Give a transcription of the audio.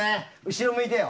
後ろ向いてよ。